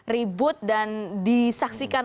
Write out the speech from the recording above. ribut dan disaksikan